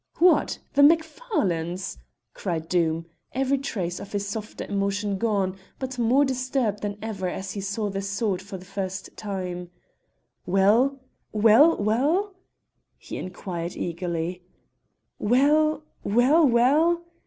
"What! the Macfarlanes," cried Doom, every trace of his softer emotion gone, but more disturbed than ever as he saw the sword for the first time. "Well well well?" he inquired eagerly. "Well, well, well?"